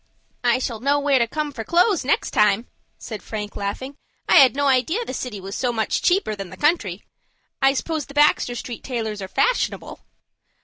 "I shall know where to come for clothes next time," said Frank, laughing. "I had no idea the city was so much cheaper than the country. I suppose the Baxter Street tailors are fashionable?"